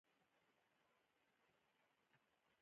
• غاښونه د خبرو کولو کې مرسته کوي.